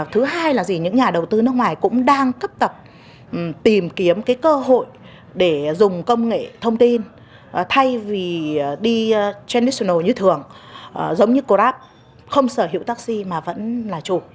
thứ hai là gì những nhà đầu tư nước ngoài cũng đang cấp tập tìm kiếm cái cơ hội để dùng công nghệ thông tin thay vì đi tranitional như thường giống như grab không sở hữu taxi mà vẫn là chủ